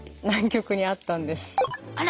あら。